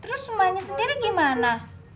terus semuanya sendiri gimana